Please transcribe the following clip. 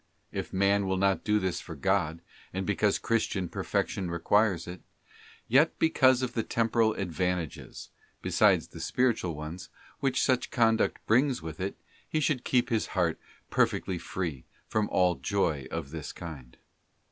'* If man will not do this for God, and because Christian Perfection requires it, yet because of the temporal advantages, beside the 'spiritual ones, which such conduct brings with it, he should keep his heart perfectly free from all joy of this kind.